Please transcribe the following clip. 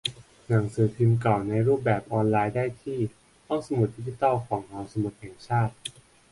หนังสือพิมพ์เก่าในรูปแบบออนไลน์ ได้ที่ ห้องสมุดดิจิทัลของ หอสมุดแห่งชาติ